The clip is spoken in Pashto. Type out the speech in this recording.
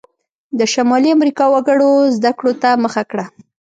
د شمالي امریکا وګړو زده کړو ته مخه کړه.